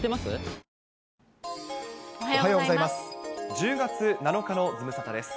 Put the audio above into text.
１０月７日のズムサタです。